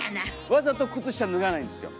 わざと靴下脱がないんですよ。